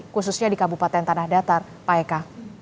khususnya di kabupaten tanah datar pak eka